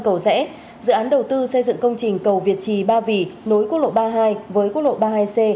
cầu rẽ dự án đầu tư xây dựng công trình cầu việt trì ba vì nối quốc lộ ba mươi hai với quốc lộ ba mươi hai c